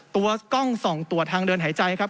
ตัวกล้องส่องตรวจทางเดินหายใจครับ